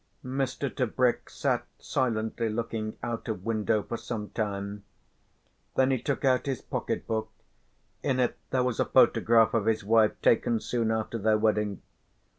Mr. Tebrick sat silently looking out of window for some time, then he took out his pocket book; in it there was a photograph of his wife taken soon after their wedding.